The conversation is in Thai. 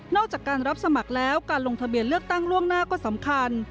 จากการรับสมัครแล้วการลงทะเบียนเลือกตั้งล่วงหน้าก็สำคัญ